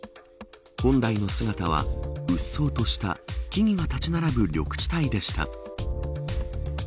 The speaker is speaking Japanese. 本来の姿はうっそうとした木々が立ち並ぶ緑地帯でした。